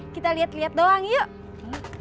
kita liat liat doang yuk